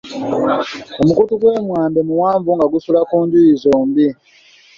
Omukuutu gwe mwambe omuwanvu nga gusala enjuuyi zombi.